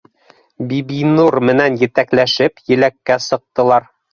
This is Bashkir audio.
Бибинур менән етәкләшеп еләккә сыҡтылар